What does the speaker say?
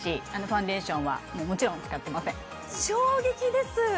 ファンデーションはもちろん使ってません衝撃です